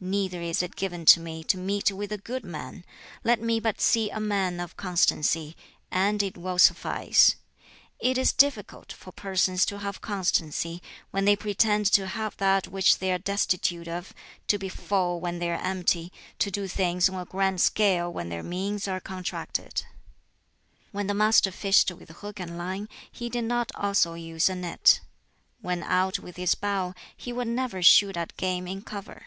Neither is it given to me to meet with a good man; let me but see a man of constancy, and it will suffice. It is difficult for persons to have constancy, when they pretend to have that which they are destitute of, to be full when they are empty, to do things on a grand scale when their means are contracted!" When the Master fished with hook and line, he did not also use a net. When out with his bow, he would never shoot at game in cover.